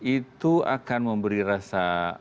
itu akan memberi rasa